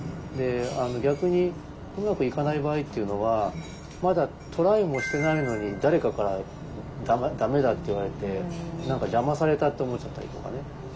逆にうまくいかない場合っていうのはまだトライもしてないのに誰かから駄目だって言われて何か邪魔されたと思っちゃったりとかね。